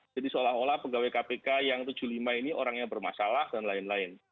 seolah olah pegawai kpk yang tujuh puluh lima ini orangnya bermasalah dan lain lain